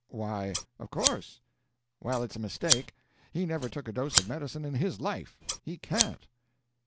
"Why, of course." "Well, it's a mistake. He never took a dose of medicine in his life. He can't."